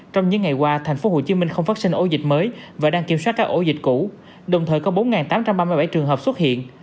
trong những ngày qua tp hcm không phát sinh ổ dịch mới và đang kiểm soát các ổ dịch cũ đồng thời có bốn tám trăm ba mươi bảy trường hợp xuất hiện